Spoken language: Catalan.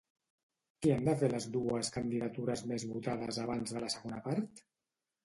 Què han de fer les dues candidatures més votades abans de la segona part?